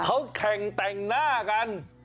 เขาแข่งแต่งหน้ากัน